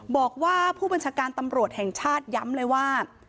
บอกว่าผู้บัญชาการตำรวจแห่งชาติย้ำเลยว่า